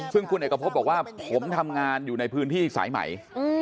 ซึ่งคุณเอกพบบอกว่าผมทำงานอยู่ในพื้นที่สายใหม่